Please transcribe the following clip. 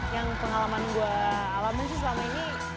yang pengalaman gue alamin sih selama ini